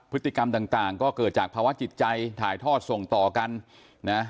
พฤติกรรมต่างก็เกิดจากภาวะจิตใจถ่ายทอดส่งต่อกันนะ